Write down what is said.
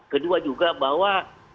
kedua juga bahwa